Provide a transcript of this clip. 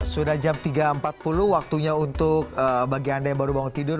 sudah jam tiga empat puluh waktunya untuk bagi anda yang baru bangun tidur